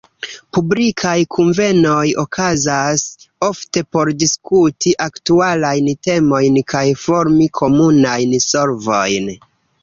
Publikaj kunvenoj okazas ofte por diskuti aktualajn temojn kaj formi komunajn solvojn.